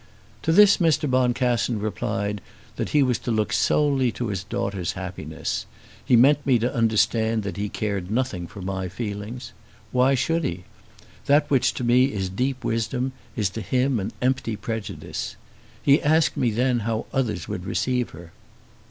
To this Mr. Boncassen replied that he was to look solely to his daughter's happiness. He meant me to understand that he cared nothing for my feelings. Why should he? That which to me is deep wisdom is to him an empty prejudice. He asked me then how others would receive her."